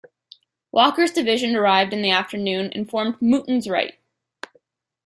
Walker's division arrived in the afternoon and formed on Mouton's right.